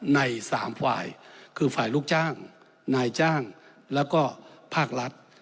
ในสามฝ่ายคือฝ่ายลูกจ้างนายจ้างแล้วก็ภาครัฐ